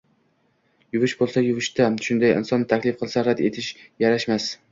Yuvish bo`lsa, yuvish-da, shunday inson taklif qilsa, rad etish yarashmas